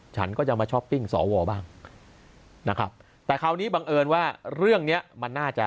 ฉันก็จะมาช้อปปิ้งสวบ้างนะครับแต่คราวนี้บังเอิญว่าเรื่องเนี้ยมันน่าจะ